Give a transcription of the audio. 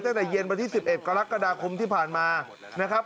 ตั้งแต่เย็นวันที่๑๑กรกฎาคมที่ผ่านมานะครับ